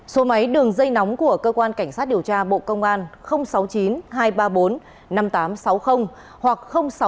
số máy đường dây nóng của cơ quan cảnh sát điều tra bộ công an sáu mươi chín hai trăm ba mươi bốn năm nghìn tám trăm sáu mươi hoặc sáu mươi chín hai trăm ba mươi một một nghìn sáu trăm